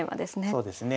そうですね。